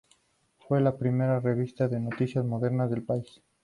Fue la primera revista de noticias moderna del país.